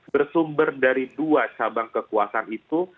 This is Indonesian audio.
bersumber dari dua cabang kekuasaan itu